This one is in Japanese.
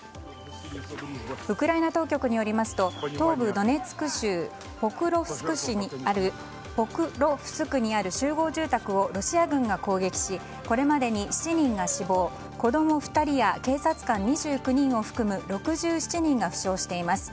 ウクライナ当局によりますと東部ドネツク州ポクロフスクにある集合住宅をロシア軍が攻撃しこれまでに７人が死亡子供２人や警察官２９人を含む６７人が負傷しています。